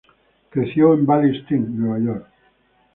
Creció en Valley Stream, Nueva York.